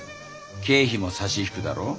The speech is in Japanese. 経費も差し引くだろ？